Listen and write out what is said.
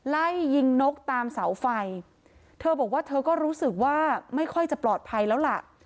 ไล่ยิงนกตามเสาไฟเธอบอกว่าเธอก็รู้สึกว่าไม่ค่อยจะปลอดภัยแล้วล่ะ